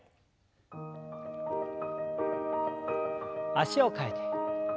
脚を替えて。